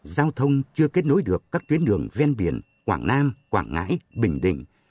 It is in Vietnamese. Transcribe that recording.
giao thông chưa kết nối được các tuyến đường ven biển quảng nam quảng ngãi bình định